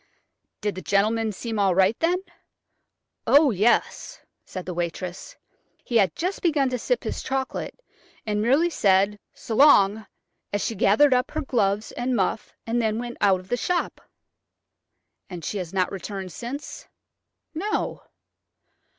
'" "Did the gentleman seem all right then?" "Oh, yes," said the waitress. "He had just begun to sip his chocolate, and merely said 'S'long,' as she gathered up her gloves and muff and then went out of the shop." "And she has not returned since?" "No."